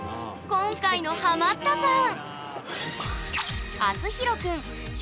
今回のハマったさん！